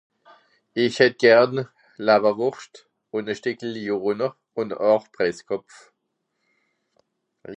Isch hätt Garn Lawerwurscht un e Steckel Lyoner un au Presskopf